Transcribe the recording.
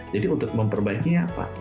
jadi untuk memperbaikinya apa